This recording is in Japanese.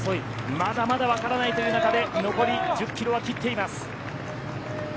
まだまだわからないという中で残り１０キロを切っています。